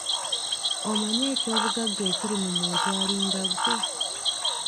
Omanyi ekyobugagga ekiri mu muntu alinga ggwe?